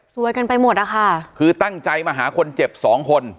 กันไปหมดอะค่ะคือตั้งใจมาหาคนเจ็บสองคน